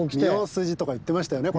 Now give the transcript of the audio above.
澪筋とか言ってましたよね